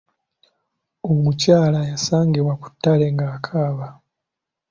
Omukyala yasangibwa ku ttale ng'akaaba.